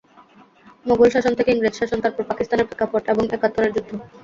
মোগল শাসন থেকে ইংরেজ শাসন, তারপর পাকিস্তানের প্রেক্ষাপট এবং একাত্তরের যুদ্ধ।